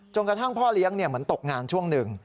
กระทั่งพ่อเลี้ยงเหมือนตกงานช่วงหนึ่ง